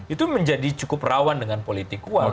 itu menjadi cukup rawan dengan politik uang